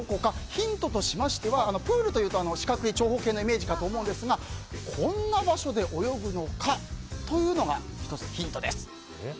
ヒントとしましてはプールというと、四角い長方形のイメージだと思うんですがこんな場所で泳ぐのかというのが１つ、ヒントです。